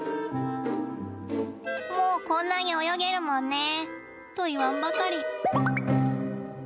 「もう、こんなに泳げるもんね」と言わんばかり。